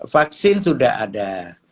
vaksin sudah ada